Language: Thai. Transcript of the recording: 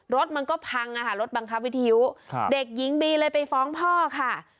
รถมันก็พังรถบังคับวิทยุเด็กหญิงบีเลยไปฟ้องพ่อค่ะ